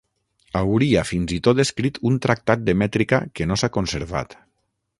Hauria fins i tot escrit un tractat de mètrica que no s'ha conservat.